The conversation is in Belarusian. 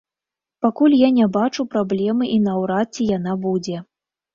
Пакуль я не бачу праблемы і наўрад ці яна будзе.